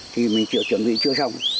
thì mình chuẩn bị chưa xong